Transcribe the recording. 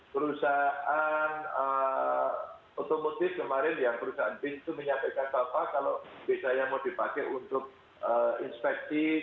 perusahaan otomotif kemarin ya perusahaan bin itu menyampaikan pak pak kalau bin saya mau dipakai untuk inspeksi